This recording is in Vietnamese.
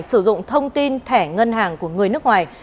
sử dụng thông tin thẻ ngân hàng của người nước ngoài